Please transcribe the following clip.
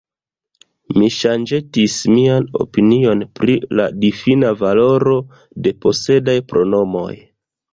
Mi ŝanĝetis mian opinion pri la difina valoro de posedaj pronomoj.